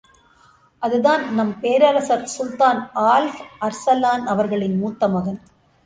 அதுதான் நம் பேரரசர் சுல்தான் ஆல்ப் அர்சலான் அவர்களின் முத்தமகன்.